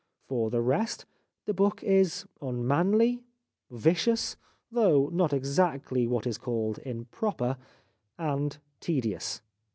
For the rest, the book is unmanly, vicious (though not exactly what is called improper) and tedious."